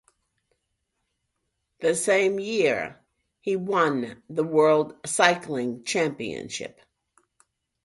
The same year he won the world cycling championship.